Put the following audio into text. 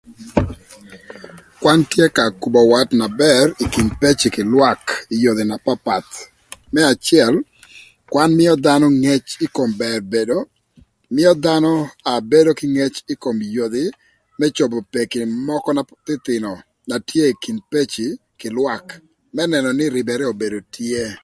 Kwan tye ka kubo wat na bër ï kin peci kï lwak ï yodhi na papath. Më acël kwan mïö dhanö ngec ï kom bër bedo, mïö dhanö bedo kï ngec ï kom yodhi më cobo peki mökö na thïthïnö na tye ï kin peci kï lwak, më nënö nï rïbërë obedo tye